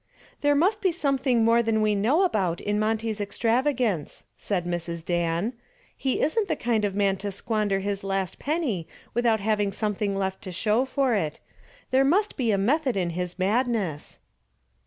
"There must be something more than we know about in Monty's extravagance," said Mrs. Dan. "He isn't the kind of man to squander his last penny without having something left to show for it. There must be a method in his madness."